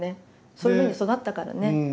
そういうふうに育ったからね。